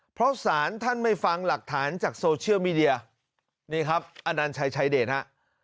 เพราะสารท่านไม่ฟังหลักฐานจากโซเชียลมีเดียนี่ครับอนัญชัยชายเดชฮะ